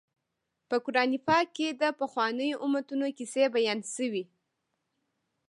په قران پاک کې د پخوانیو امتونو کیسې بیان شوي.